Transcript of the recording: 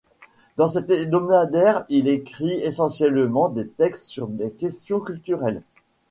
Dans cet hebdomadaire, il écrit essentiellement des textes sur les questions culturelles.